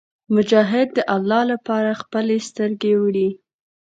مجاهد د الله لپاره خپلې سترګې وړي.